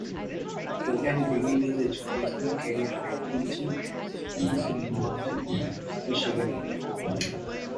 Bogan began his educational career by teaching at schools in Northern Michigan.